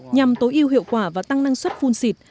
nhằm tối ưu hiệu quả và tăng năng suất phun xịt